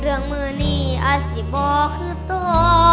เรื่องมือนี่อาจจะบอกคือตัว